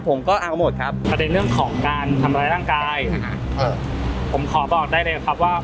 ผมขอบอกได้เลยครับว่า